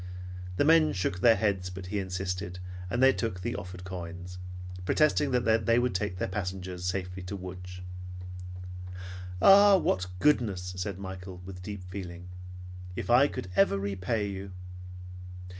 The men shook their heads, but he insisted, and they took the offered coins, protesting that they would take their passengers safely to Lodz. "Ah! What goodness!" said Michael with deep feeling. "If I could ever repay you!"